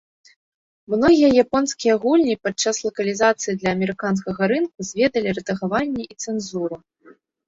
Многія японскія гульні падчас лакалізацыі для амерыканскага рынку зведалі рэдагаванне і цэнзуру.